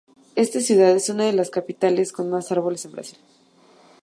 Esta ciudad es una de las capitales con más árboles en Brasil.